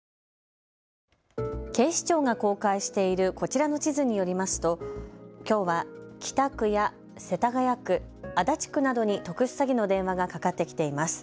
警視庁が公開しているこちらの地図によりますときょうは北区や世田谷区、足立区などに特殊詐欺の電話がかかってきています。